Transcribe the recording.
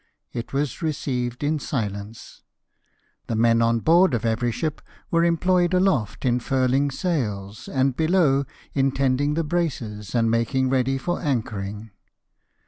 It was received in silence. The men on board of every ship were employed aloft in furling sails, and below in tending the braces, and making ready for anchoring.